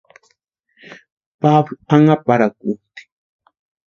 Pablu anhaparhakutʼi.